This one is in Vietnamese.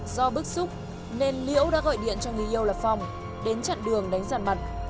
do bức xúc nên liễu đã gọi điện cho người yêu là phong đến chặn đường đánh giàn mặt